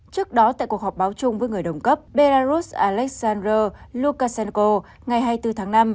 trước đó tại cuộc họp báo chung với người đồng cấp belarus alexander lukashenko ngày hai mươi bốn tháng năm